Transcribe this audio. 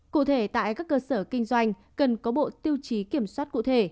cụ thể tại các cơ sở kinh doanh cần có bộ tiêu chí kiểm soát cụ thể